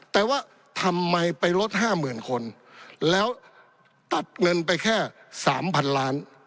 แต่ว่าทำไมไปลดห้าหมื่นคนแล้วตัดเงินไปแค่๓๐๐๐ล้าน